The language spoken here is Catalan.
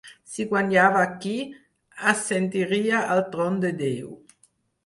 Si guanyava aquí, ascendiria al tron de Déu.